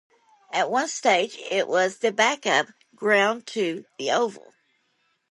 At one stage it was the back-up ground to The Oval.